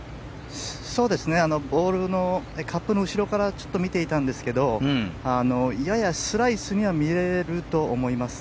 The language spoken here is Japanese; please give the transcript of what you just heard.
カップの後ろから見ていたんですけどややスライスには見えると思います。